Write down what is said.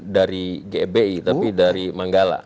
dari gbi tapi dari manggala